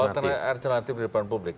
alternatif di depan publik